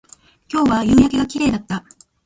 今日は夕焼けが綺麗だった